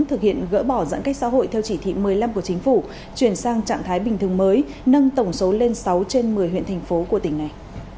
thực hiện gỡ bỏ giãn cách xã hội theo chỉ thị một mươi năm của chính phủ chuyển sang trạng thái bình thường mới nâng tổng số lên sáu trên một mươi huyện thành phố của tỉnh này